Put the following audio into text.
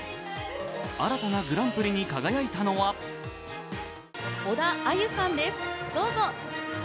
新たなグランプリに輝いたのは小田愛結さんです、どうぞ。